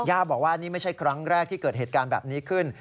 บอกว่านี่ไม่ใช่ครั้งแรกที่เกิดเหตุการณ์แบบนี้ขึ้น